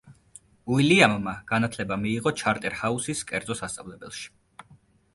უილიამმა განათლება მიიღო ჩარტერჰაუსის კერძო სასწავლებელში.